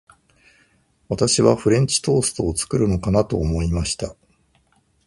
私はフレンチトーストを作るのかなと思いました。